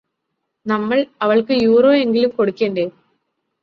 നമ്മൾ അവൾക്ക് യൂറോയെങ്കിലും കൊടുക്കേണ്ടേ